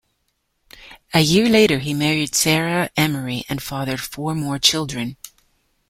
A year later, he married Sarah Emery and fathered four more children.